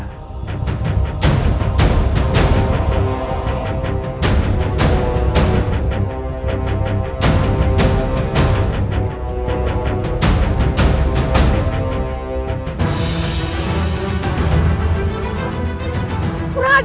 tuanku juga bertingkar